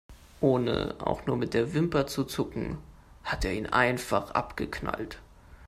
Ohne auch nur mit der Wimper zu zucken, hat er ihn einfach abgeknallt.